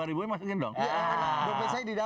ini menyentil sebenarnya